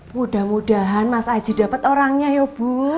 mudah mudahan mas aji dapet orangnya yoh bu